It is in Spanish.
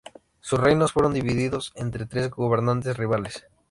Sus reinos fueron divididos entre tres gobernantes rivales.